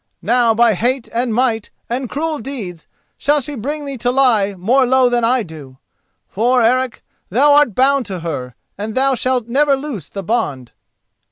Now by hate and might and cruel deeds shall she bring thee to lie more low than I do. For, Eric, thou art bound to her, and thou shalt never loose the bond!"